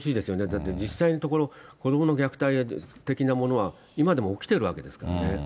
だって実際のところ、子どもの虐待的なものは今でも起きてるわけですからね。